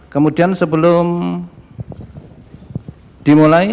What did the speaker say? kemudian sebelum dimulai